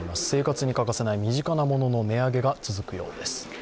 生活に欠かせない身近なものの値上げが続くようです。